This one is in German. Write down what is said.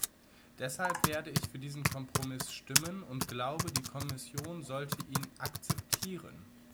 Deshalb werde ich für diesen Kompromiss stimmen und glaube, die Kommission sollte ihn akzeptieren.